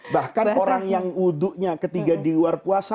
bahkan orang yang wudhunya ketika di luar puasa